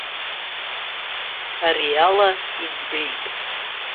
Ари ала иӡбеит.